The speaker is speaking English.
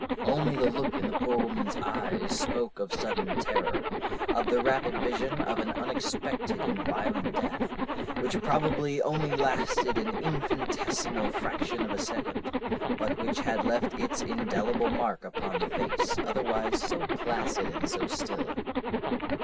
Only the look in the poor woman's eyes spoke of sudden terror, of the rapid vision of an unexpected and violent death, which probably only lasted an infinitesimal fraction of a second, but which had left its indelible mark upon the face, otherwise so placid and so still."